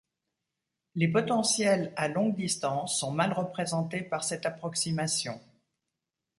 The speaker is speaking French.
Les potentiels à longue distance sont mal représentés par cette approximation.